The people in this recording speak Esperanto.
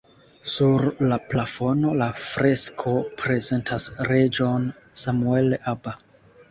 Sur la plafono la fresko prezentas reĝon Samuel Aba.